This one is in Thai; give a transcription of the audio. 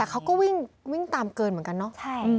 แต่เขาก็วิ่งตามเกินเหมือนกันเนาะ